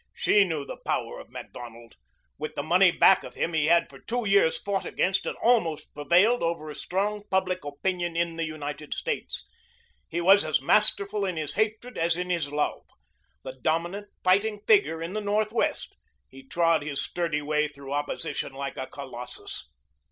She knew the power of Macdonald. With the money back of him, he had for two years fought against and almost prevailed over a strong public opinion in the United States. He was as masterful in his hatred as in his love. The dominant, fighting figure in the Northwest, he trod his sturdy way through opposition like a Colossus.